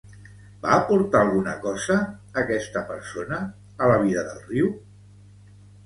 Va aportar alguna cosa aquesta persona a la vida del riu?